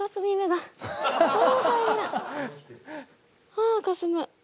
ああかすむ。